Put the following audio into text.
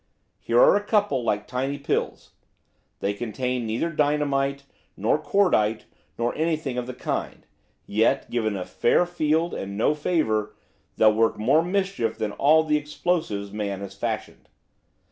Here are a couple, like tiny pills. They contain neither dynamite, nor cordite, nor anything of the kind, yet, given a fair field and no favour, they'll work more mischief than all the explosives man has fashioned.